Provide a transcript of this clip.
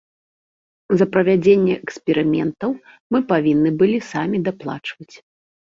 За правядзенне эксперыментаў мы павінны былі самі даплачваць.